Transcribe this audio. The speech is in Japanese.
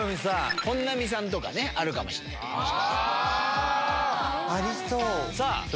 本並さんとかあるかもしれなありそう。